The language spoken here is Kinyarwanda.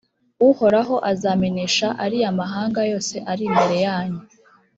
uhoraho azamenesha ariya mahanga yose ari imbere yanyu,